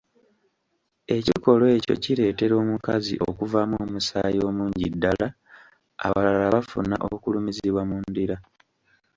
Ekikolwa ekyo kireetera omukazi okuvaamu omusaayi omungi ddala, abalala bafuna okulumizibwa mu ndira,